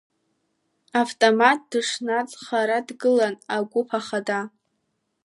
Автомат дышнаҵхара дгылан агәыԥ ахада.